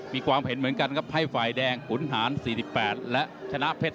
อีกความเห็นภายฝ่ายแดงขุนหาญ๔๘และชนะเพ็ด๔๙